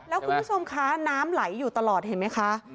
แล้วคุณผู้ชมคะน้ำไหลอยู่ตลอดเห็นไหมคะ